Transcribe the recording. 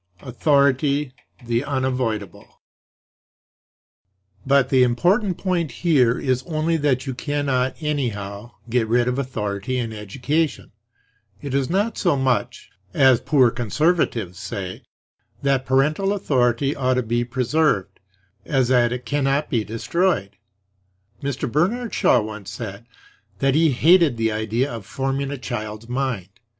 AUTHORITY THE UNAVOIDABLE But the important point here is only that you cannot anyhow get rid of authority in education; it is not so much (as poor Conservatives say) that parental authority ought to be preserved, as that it cannot be destroyed. Mr. Bernard Shaw once said that he hated the idea of forming a child's mind.